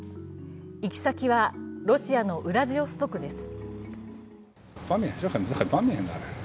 行き先はロシアのウラジオストクです。